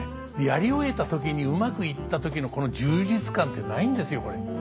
やり終えた時にうまくいった時のこの充実感ってないんですよこれ。